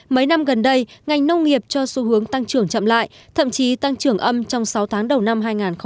mấy năm gần đây ngành nông nghiệp cho xu hướng tăng trưởng chậm lại thậm chí tăng trưởng âm trong sáu tháng đầu năm hai nghìn hai mươi